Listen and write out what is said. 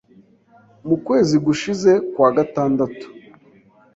Mu kwezi gushize kwa gatandatu